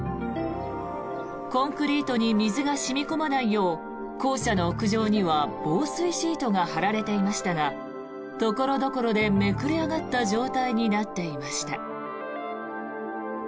コンクリートに水が染み込まないよう校舎の屋上には防水シートが張られていましたが所々でめくれ上がった状態になっていました。